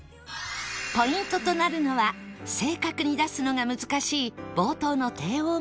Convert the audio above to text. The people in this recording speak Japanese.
ポイントとなるのは正確に出すのが難しい冒頭の低音部分